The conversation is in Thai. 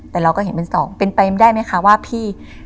แต่เราก็เห็นเป็นสองเป็นไปได้ไหมคะว่าพี่